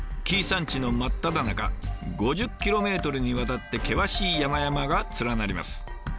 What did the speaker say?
紀伊山地の真っただ中５０キロメートルにわたって険しい山々が連なります。